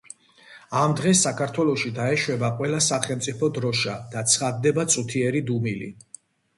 ამ დღეს საქართველოში დაეშვება ყველა სახელმწიფო დროშა და ცხადდება წუთიერი დუმილი.